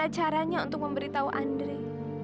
gimana caranya untuk memberitahu andre